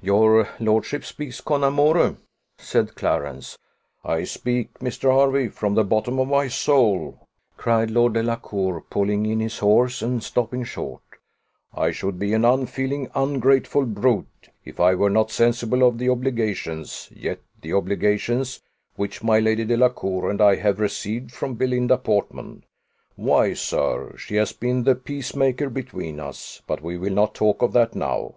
"Your lordship speaks con amore," said Clarence. "I speak, Mr. Hervey, from the bottom of my soul," cried Lord Delacour, pulling in his horse, and stopping short. "I should be an unfeeling, ungrateful brute, if I were not sensible of the obligations yes, the obligations which my Lady Delacour and I have received from Belinda Portman. Why, sir, she has been the peacemaker between us but we will not talk of that now.